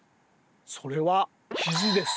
それはキジです。